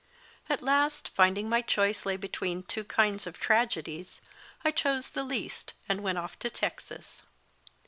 At last, finding my choice lay between two kinds of tragedies, I chose the least, and went off to Texas.